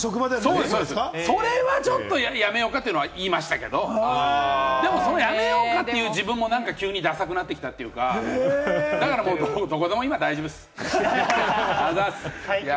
それはちょっとやめようかというのは言いましたけれども、やめようかっていう自分もなんか急にダサくなってきたというか、もうどこでも今、大丈夫です。